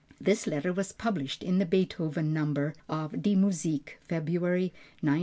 This letter was published in the Beethoven number of Die Musik, February, 1902.